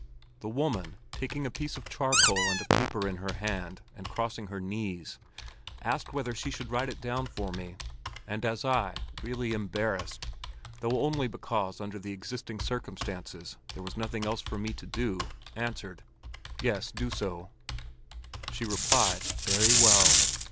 The woman, taking a piece of charcoal and a paper in her hand and crossing her knees, asked whether she should write it down for me; and as I, really embarrassed, though only because under the existing circumstances there was nothing else for me to do, answered, 'Yes, do so,' she replied, 'Very well!